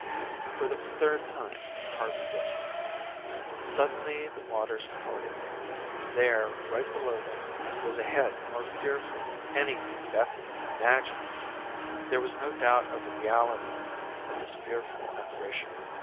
For the third time, Harvey whistled. Suddenly the waters parted. There, right below them, was a head more fearful than anything Beth had imagined. There was no doubt of the reality of this fearful apparition.